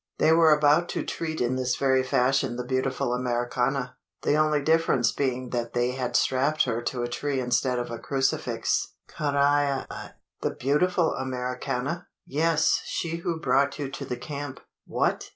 They were about to treat in this very fashion the beautiful Americana the only difference being that they had strapped her to a tree instead of a crucifix. Carrai i!" "The beautiful Americana?" "Yes she who brought you to the camp." "What!